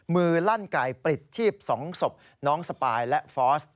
ลั่นไก่ปลิดชีพ๒ศพน้องสปายและฟอส